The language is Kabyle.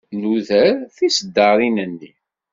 Nuder tiseddaṛin-nni.